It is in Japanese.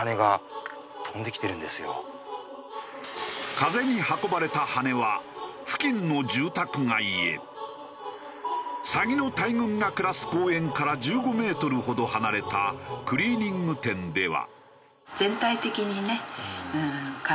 風に運ばれたサギの大群が暮らす公園から１５メートルほど離れたクリーニング店では。